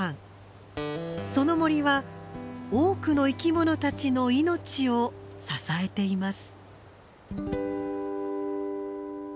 その森は多くの生き物たちの命を支えています。